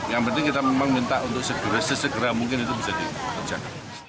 yang penting kita memang minta untuk segera sesegera mungkin itu bisa dikerjakan